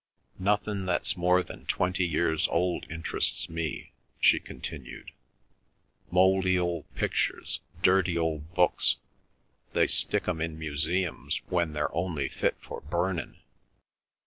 "Nothin' that's more than twenty years old interests me," she continued. "Mouldy old pictures, dirty old books, they stick 'em in museums when they're only fit for burnin'."